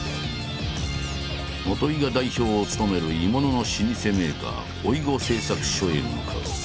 元井が代表を務める鋳物の老舗メーカー老子製作所へ向かう。